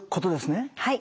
はい。